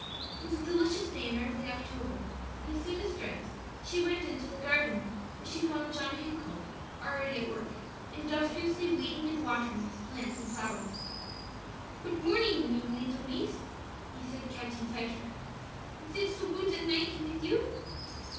It was a delicious day in early October, and as soon as dressed she went into the garden, where she found John Hencle already at work, industriously weeding and watering his plants and flowers. "Goot morning, mine leetle mees," he said, catching sight of her, "Was it so goot a night mit you?"